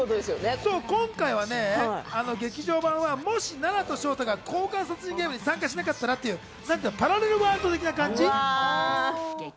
そう、今回の劇場版はね、もし菜奈と翔太が交換殺人ゲームに参加しなかったらというパラレルワールドみたいな感じ。